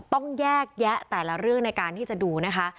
ต้องแยกแยะแต่ละเรื่องในการที่จะดูนะคะ